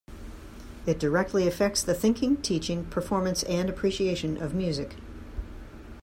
It directly affects the thinking, teaching, performance and appreciation of music.